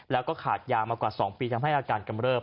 แล้วก็ขาดยามากว่า๒ปีทำให้อาการกำเริบ